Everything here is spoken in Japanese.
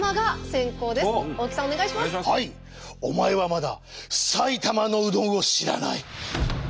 お前はまだ埼玉のうどんを知らない！